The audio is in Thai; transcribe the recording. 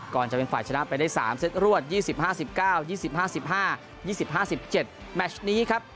ก่อนจะเป็นฝ่ายชนะไปได้๓เซตรวด๒๐๕๙๒๐๕๕๒๐๕๗แมชนี้ครับ